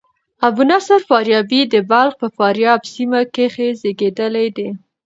ابو نصر فارابي د بلخ په فاریاب سیمه کښي زېږېدلى دئ.